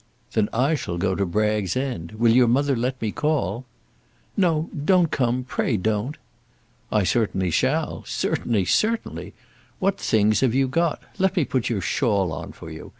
"Then I shall go to Bragg's End. Will your mother let me call?" "No, don't come. Pray don't." "I certainly shall; certainly, certainly! What things have you got? Let me put your shawl on for you.